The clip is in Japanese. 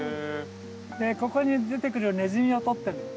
でここに出てくるネズミを捕ってるの。